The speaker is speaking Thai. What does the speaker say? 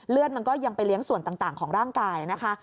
เลือดมันก็ยังไปเลี้ยงส่วนต่างของร่างกายนะคะ